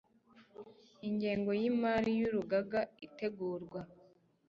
ingengo y imari y urugaga itegurwa